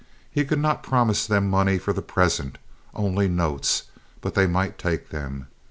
He could not promise them money for the present—only notes—but they might take them.